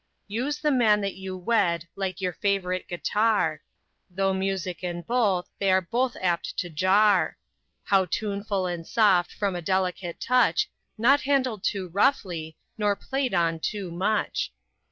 Use the man that you wed like your fav'rite guitar, Though music in both, they are both apt to jar; How tuneful and soft from a delicate touch, Not handled too roughly, nor play'd on too much!